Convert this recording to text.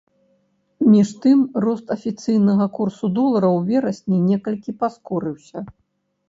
Між тым рост афіцыйнага курсу долара ў верасні некалькі паскорыўся.